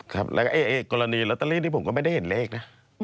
ครับแล้วก็กรณีลอตเตอรี่ที่ผมก็ไม่ได้เห็นเลขนะ